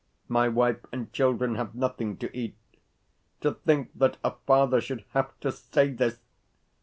My wife and children have nothing to eat. To think that a father should have to say this!"